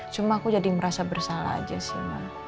cuma aku jadi merasa bersalah aja sih